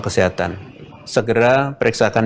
kesehatan segera periksakan